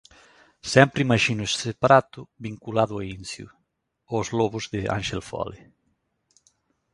Sempre imaxino ese prato vinculado ao Incio, aos lobos de Ánxel Fole.